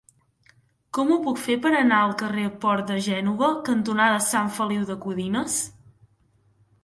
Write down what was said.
Com ho puc fer per anar al carrer Port de Gènova cantonada Sant Feliu de Codines?